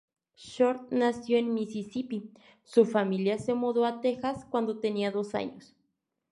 Short nació en Mississippi, su familia se mudó a Texas cuando tenía dos años.